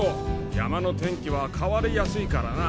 山の天気は変わりやすいからな。